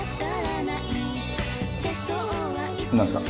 何すか？